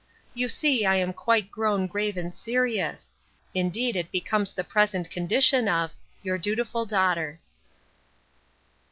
You see I am quite grown grave and serious; indeed it becomes the present condition of Your dutiful DAUGHTER.